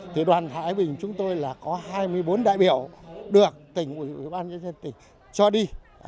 thì đoàn thái bình chúng tôi là có hai mươi bốn đại biểu được tỉnh ủy ban nhân dân tỉnh cho đi